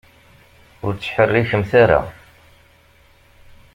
Ur ttḥerrikemt ara.